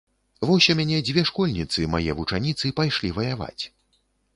Вось, у мяне дзве школьніцы, мае вучаніцы, пайшлі ваяваць.